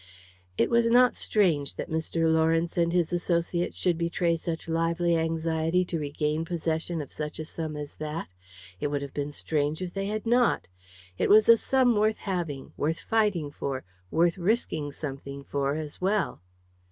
It was not strange that Mr. Lawrence and his associates should betray such lively anxiety to regain possession of such a sum as that; it would have been strange if they had not! It was a sum worth having; worth fighting for; worth risking something for as well.